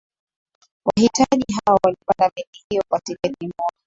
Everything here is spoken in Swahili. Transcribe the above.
wahitaji hao walipanda meli hiyo kwa tiketi moja